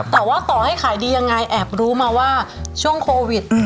แต่ว่าต่อให้ขายดียังไงแอบรู้มาว่าช่วงโควิด